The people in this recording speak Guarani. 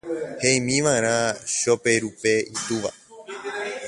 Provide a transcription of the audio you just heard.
He'ímiva'erã Choperúpe itúva.